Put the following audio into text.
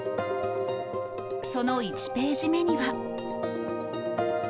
その１ページ目には。